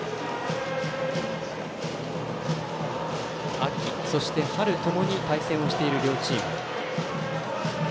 秋、そして春ともに対戦をしている両チーム。